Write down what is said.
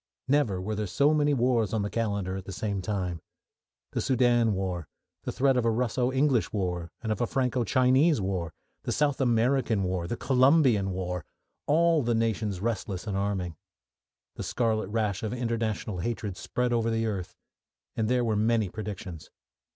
Never were there so many wars on the calendar at the same time. The Soudan war, the threat of a Russo English war and of a Franco Chinese war, the South American war, the Colombian war all the nations restless and arming. The scarlet rash of international hatred spread over the earth, and there were many predictions.